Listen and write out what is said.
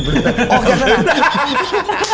โอเคศนาม